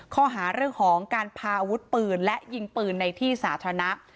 ข้อหาเรื่องของการพาอาวุธปืนและยิงปืนในที่สาธารณะ